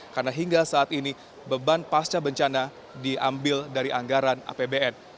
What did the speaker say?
karena hingga saat ini beban pasca bencana diambil dari anggaran apbn